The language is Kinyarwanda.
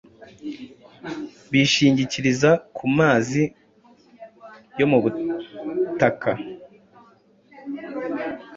bishingikiriza ku mazi yo mu butaka,